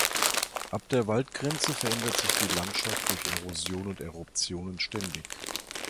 Ab der Waldgrenze verändert sich die Landschaft durch Erosion und Eruptionen ständig.